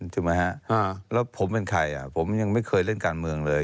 ถูกไหมฮะแล้วผมเป็นใครผมยังไม่เคยเล่นการเมืองเลย